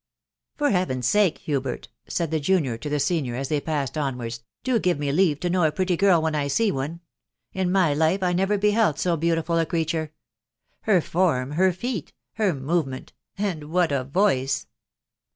" For Heaven's sake, Hubert!" said the junior to the se nior, as they paced onwards, " do give me leave to know a pretty girl when I see one. ... In my life I never beheld so beautiful a creature !.».. Her form, her feet, her movement, — and what a voice